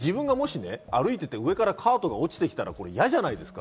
自分が歩いてて、もし上からカートが落ちてきたら嫌じゃないですか。